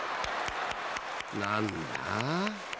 ［何だ？］